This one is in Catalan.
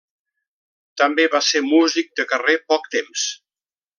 També va ser músic de carrer poc temps.